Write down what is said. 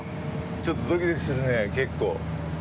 ちょっとドキドキするねぇ結構。